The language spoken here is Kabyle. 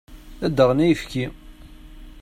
Ad d-aɣen ayefki.